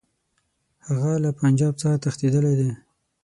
هغه له پنجاب څخه تښتېدلی دی.